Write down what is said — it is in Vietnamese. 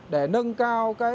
để nâng cao năng lượng ma túy